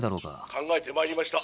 「考えてまいりました。